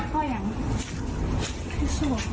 ชอบ